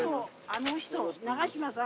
あの人長嶋さん？